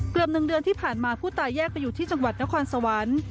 ๑เดือนที่ผ่านมาผู้ตายแยกไปอยู่ที่จังหวัดนครสวรรค์